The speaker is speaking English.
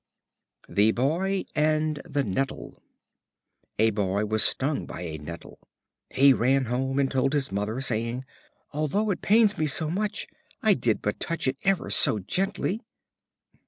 The Boy and the Nettle. A Boy was stung by a Nettle. He ran home and told his mother, saying: "Although it pains me so much, I did but touch it ever so gently."